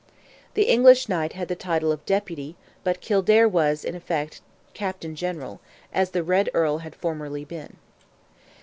The English Knight had the title of Deputy, but Kildare was, in effect, Captain General, as the Red Earl had formerly been.